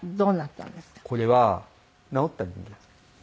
これは治ったんですね。